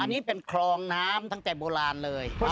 อันนี้เป็นคลองน้ำตั้งแต่โบราณเลย